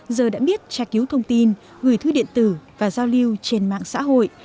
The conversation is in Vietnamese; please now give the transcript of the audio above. giờ đã biết tra cứu thông tin gửi thư điện tử và giao lưu trên mạng xã hội